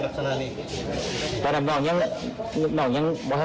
ตามมานี่ครับเพราะว่าผมก็ไปในบนแมงแคศมา